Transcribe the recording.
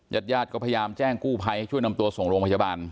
ญาติญาติก็พยายามแจ้งกู้ภัยช่วยนำตัวส่งโรงพยาบาล